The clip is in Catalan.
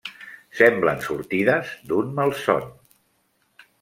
Semblen sortides d'un malson.